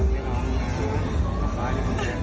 จะล้อมทำไม